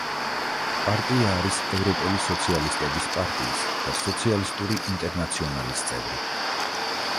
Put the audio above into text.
პარტია არის ევროპელი სოციალისტების პარტიის და სოციალისტური ინტერნაციონალის წევრი.